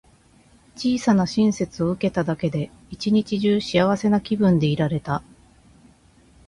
小さな親切を受けただけで、一日中幸せな気分でいられた。